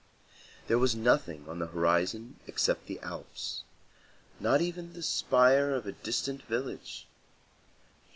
There was nothing on the horizon except the Alps. Not even the spire of a distant village.